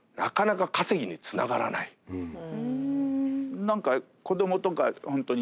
何か。